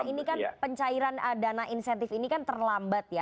ini kan pencairan dana insentif ini kan terlambat ya